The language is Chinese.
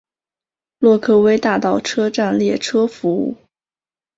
洛克威大道车站列车服务。